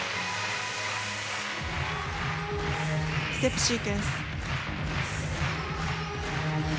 ステップシークエンス。